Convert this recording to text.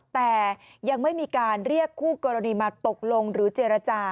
แต่ยังไม่มีการเรียกคู่กรณีมาตกลงหรือเจรจา